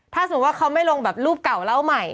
ถ้าสมมุติว่าเขาไม่ลงแบบรูปเก่าเล่าใหม่